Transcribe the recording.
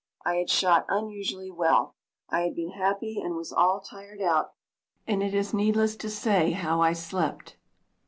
I had shot unusually well, I had been happy and was all tired out, and it is needless to say how I slept.